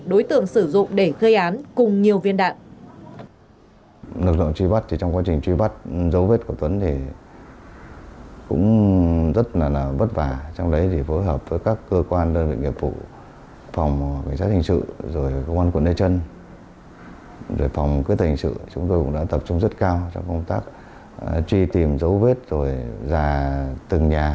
đối tượng sử dụng để cây án cùng nhiều viên đạn